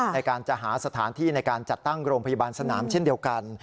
ในการจะหาสถานที่ในการจัดตั้งโรงพยาบาลสนามเช่นเดียวกัน